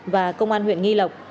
và công an huyện nghi lộc